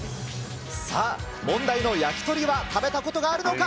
さあ、問題の焼き鳥は食べたことがあるのか？